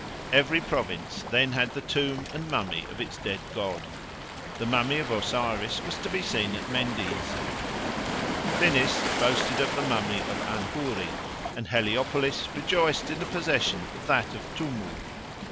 Every province then had the tomb and mummy of its dead god. The mummy of Osiris was to be seen at Mendes; Thinis boasted of the mummy of Anhouri; and Heliopolis rejoiced in the possession of that of Toumou.